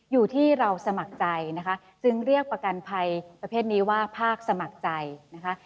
อยู่ที่เราสมัครใจนะคะจึงเรียกประกันภัยประเภทนี้ว่าภาคสมัครใจนะคะ